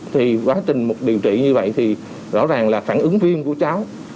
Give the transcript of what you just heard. thì quá trình điều trị như vậy thì rõ ràng là phản ứng viêm của cháu